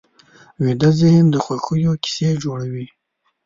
ویده ذهن د خوښیو کیسې جوړوي